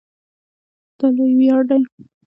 دا یو لوی ویاړ دی.